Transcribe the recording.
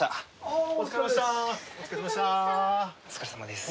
お疲れさまです。